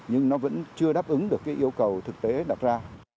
nhưng nó vẫn chưa đáp ứng được cái yêu cầu thực tế đặt ra